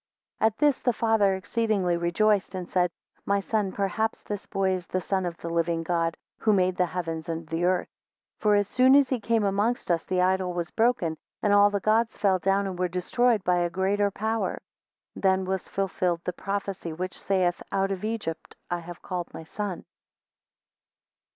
21 At this the father exceedingly rejoiced, and said, My son, perhaps this boy is the son of the living God, who made the heavens and the earth. 22 For as soon as he came amongst us, the idol was broken, and all the gods fell down, and were destroyed by a greater power. 23 Then was fulfilled the prophecy which saith, Out of Egypt I have called my son.